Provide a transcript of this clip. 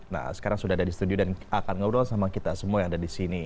nah sekarang sudah ada di studio dan akan ngobrol sama kita semua yang ada di sini